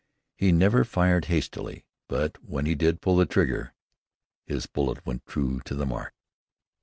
He never fired hastily, but when he did pull the trigger, his bullet went true to the mark.